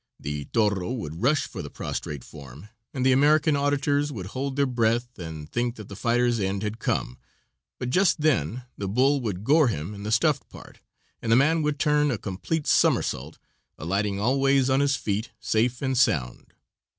The toro would rush for the prostrate form, and the American auditors would hold their breath, and think that the fighter's end had come, but just then the bull would gore him in the stuffed part, and the man would turn a complete somersault, alighting always on his feet, safe and sound.